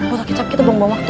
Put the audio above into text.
botol kecap kita belum bawa waktu